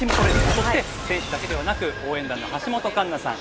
そして、選手だけではなく応援団の橋本環奈さん